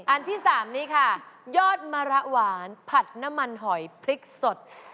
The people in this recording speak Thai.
อันที่๓นี้ค่ะยอดมะระหวานผัดน้ำมันหอยพริกสด